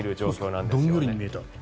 どんよりに見えた。